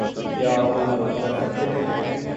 کیا آپ کوئی مدد کر سکتے ہیں؟